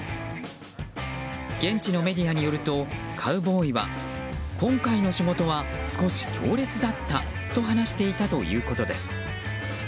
現地のメディアによるとカウボーイは今回の仕事は少し強烈だったと話していたということです。